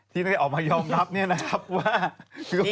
ที่ได้ออกมายอมรับเนี่ยนะครับว่า